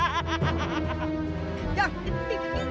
kalian harus tinggal disini